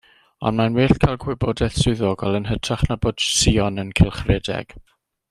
Ond mae'n well cael gwybodaeth swyddogol yn hytrach na bod sïon yn cylchredeg.